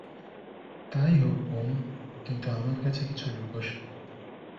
তাই হোক বোন, কিন্তু আমার কাছে কিছু লুকোস নে।